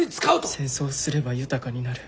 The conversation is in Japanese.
戦争すれば豊かになる。